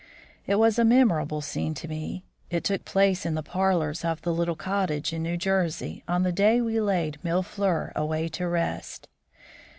It was a memorable scene to me. It took place in the parlours of the little cottage in New Jersey on the day we laid Mille fleurs away to rest.